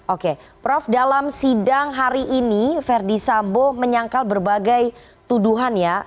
oke prof dalam sidang hari ini verdi sambo menyangkal berbagai tuduhan ya